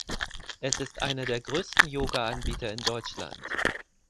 Es ist einer der größten Yogaanbieter in Deutschland.